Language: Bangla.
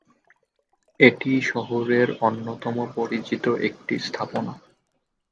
এটি শহরের অন্যতম পরিচিত একটি স্থাপনা।